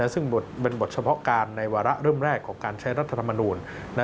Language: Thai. ซึ่งเป็นบทเฉพาะการในวาระเริ่มแรกของการใช้รัฐธรรมนูล